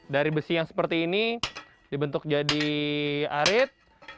dari besi yang seperti ini dibentuk jadi arit